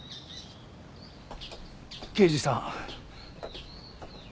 刑事さん。